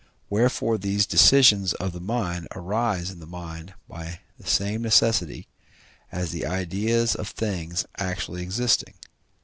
Wherefore these decisions of the mind arise in the mind by the same necessity, as the ideas of things actually existing.